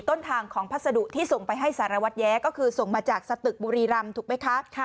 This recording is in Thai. ต้นทางของพัสดุที่ส่งไปให้สารวัตรแย้ก็คือส่งมาจากสตึกบุรีรำถูกไหมคะ